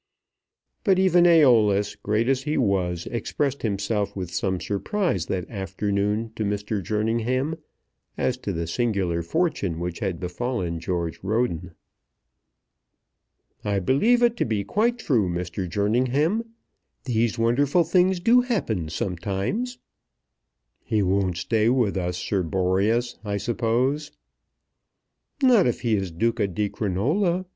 But even Æolus, great as he was, expressed himself with some surprise that afternoon to Mr. Jerningham as to the singular fortune which had befallen George Roden. "I believe it to be quite true, Mr. Jerningham. These wonderful things do happen sometimes." "He won't stay with us, Sir Boreas, I suppose?" "Not if he is Duca di Crinola.